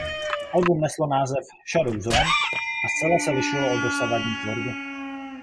Album neslo název "Shadow Zone" a zcela se lišilo od dosavadní tvorby.